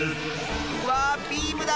うわあビームだ！